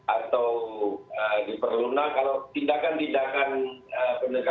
atau diperlukan kalau tindakan tindakan penegakan